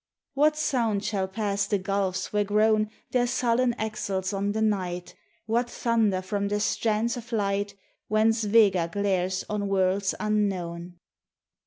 What sound shall pass the gulfs where groan Their sullen axles on the night? What thunder from the strands of light Whence Vega glares on worlds unknown?